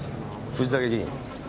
藤竹議員。